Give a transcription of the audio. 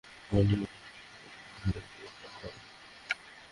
খালি কি পড়াশুনাই করো, নাকি প্রেম-টেমও করো?